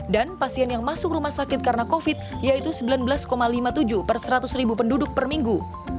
dan pasien yang masuk rumah sakit karena covid sembilan belas yaitu sembilan belas lima puluh tujuh per seratus ribu penduduk per minggu